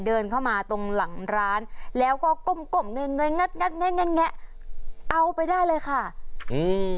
เดินเข้ามาตรงหลังร้านแล้วก็กมกมเอาไปได้เลยค่ะอืม